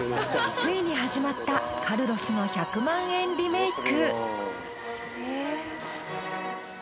ついに始まったカルロスの１００万円リメイク。